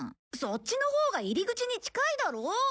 そっちのほうが入り口に近いだろ？